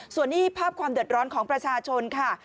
ส่วนนี้ภาพความเดือดร้อนของประชาชนค่ะ